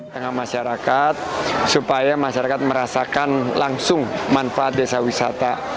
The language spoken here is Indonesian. tengah masyarakat supaya masyarakat merasakan langsung manfaat desa wisata